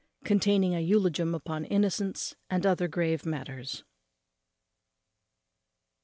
_Containing an eulogium upon innocence, and other grave matters.